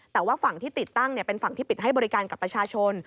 แต่ว่าฝั่งที่ติดตั้งเป็นฝั่งที่ปิดให้บริการกับประชาชน